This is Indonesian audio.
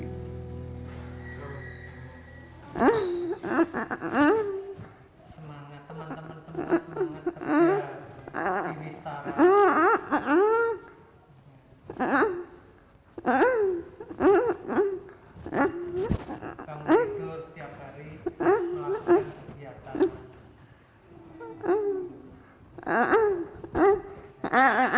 semangat teman teman semua semangat kerja